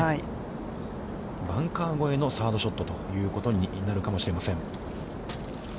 バンカー越えのセカンドショットということになるかもしれません。